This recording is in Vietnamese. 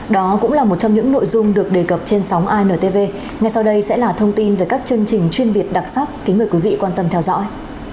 đó cũng là một trong những nội dung được đề cập trên sóng intv ngay sau đây sẽ là thông tin về các chương trình chuyên biệt đặc sắc kính mời quý vị quan tâm theo dõi